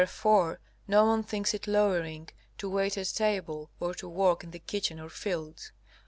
Wherefore no one thinks it lowering to wait at table or to work in the kitchen or fields.